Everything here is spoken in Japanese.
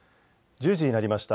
１０時になりました。